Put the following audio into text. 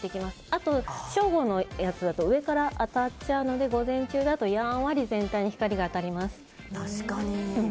あと正午のやつだと上から当たっちゃうので午前中だとやんわり全体に光が当たります。